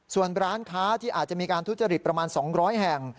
ส่วนร้านค้าที่อาจจะมีการทุจริตประมาณ๒๐๐แห่ง